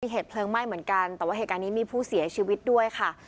เหตุเพลิงไหม้เหมือนกันแต่ว่าเหตุการณ์นี้มีผู้เสียชีวิตด้วยค่ะ